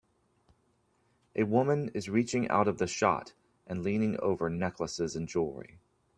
A woman is reaching out of the shot and leaning over necklaces and jewelery.